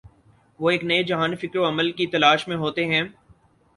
وہ ایک نئے جہان فکر و عمل کی تلاش میں ہوتے ہیں۔